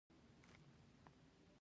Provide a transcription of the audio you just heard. ایا ستاسو اخلاق نمونه نه دي؟